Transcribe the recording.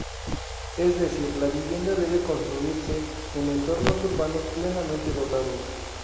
Es decir la vivienda debe construirse en entornos urbanos plenamente dotados.